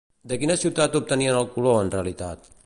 De quina ciutat obtenien el color, en realitat?